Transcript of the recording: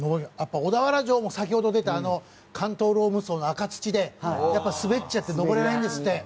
小田原城も先ほど出た関東ローム層の赤土で滑っちゃって登れないんですって。